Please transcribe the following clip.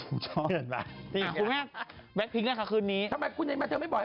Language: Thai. ติ๊กต๊อกมีแต่เสียงฉันทั้งนั้นเลย